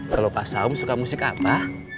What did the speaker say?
kalau pak saung suka musik apa